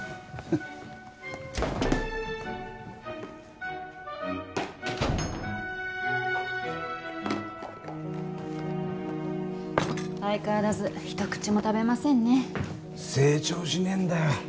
フンッ相変わらず一口も食べませんね成長しねえんだよ